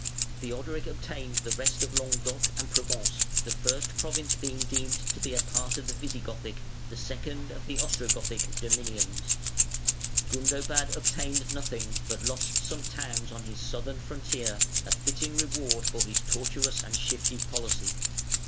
Theodoric obtained the rest of Languedoc and Provence, the first province being deemed to be a part of the Visigothic, the second of the Ostrogothic, dominions, Gundobad obtained nothing, but lost some towns on his southern frontier a fitting reward for his tortuous and shifty policy.